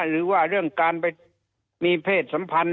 หรือว่าเรื่องการไปมีเพศสัมพันธ์